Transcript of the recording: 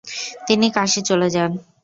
তিনি কাশী চলে যান।